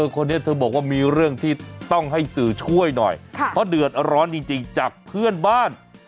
คนนี้เธอบอกว่ามีเรื่องที่ต้องให้สื่อช่วยหน่อยเพราะเดือดร้อนจริงจากเพื่อนบ้าน